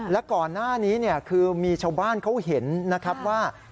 และก่อนหน้านี้คือมีชาวบ้านเขาเห็นนะครับว่า